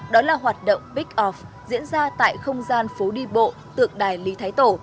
đó là hoạt động big off diễn ra tại không gian phố đi bộ tượng đài lý thái tổ